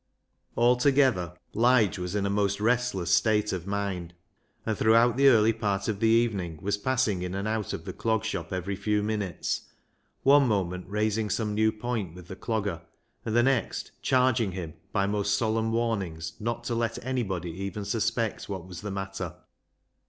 Altogether Lige was in a most restless state of mind, and throughout the early part of the evening was passing in and out of the Clog Shop every few minutes, one moment raising some new point with the Clogger, and the next charging him by most solemn warnings not to let anybody even suspect what was the matter.